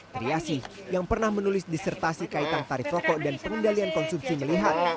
triasi yang pernah menulis disertasi kaitan tarif rokok dan pengendalian konsumsi melihat